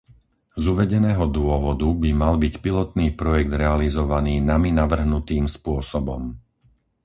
Z uvedeného dôvodu by mal byť pilotný projekt realizovaný nami navrhnutým spôsobom.